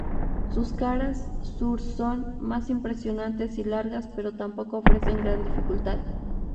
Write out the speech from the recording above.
Sus caras sur son más impresionantes y largas pero tampoco ofrecen gran dificultad.